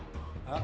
あ？